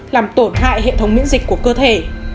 làm tổn hại hệ thống miễn dịch của cơ thể